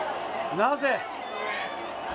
なぜ？